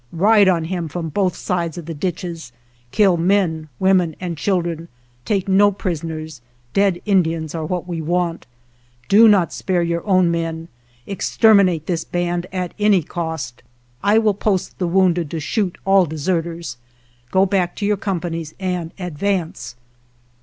Ride on him from both sides of the ditches ; kill men, women, and children ; take no pris oners; dead Indians are what we want. Do not spare your own men; exterminate this band at any cost ; I will post the wounded to shoot all deserters; go back to your com panies and advance."